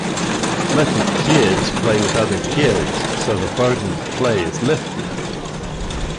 Let the kids play with other kids so the burden of play is lifted